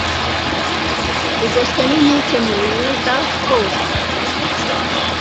igoswe ninkike mu Buyuda bwose